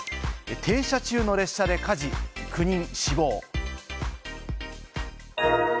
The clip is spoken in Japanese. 停車中の列車で火事、９人死亡。